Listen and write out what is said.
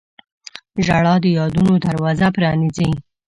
• ژړا د یادونو دروازه پرانیزي.